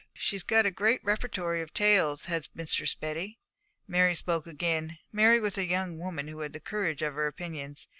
She's got a great repertory of tales, has Mistress Betty.' Mary spoke again. Mary was a young woman who had the courage of her opinions.